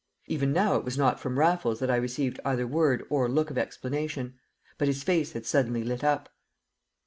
Even now it was not from Raffles that I received either word or look of explanation. But his face had suddenly lit up.